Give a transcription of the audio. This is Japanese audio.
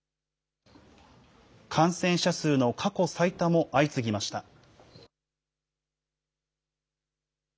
感染者数の過去最多も相次ぎました。